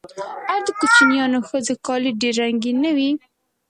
آیا د کوچیانیو ښځو کالي ډیر رنګین نه وي؟